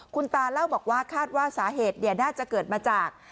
คุณตาเล่าบอกว่าคาดว่าสาเหตุน่าจะเกิดมาจาก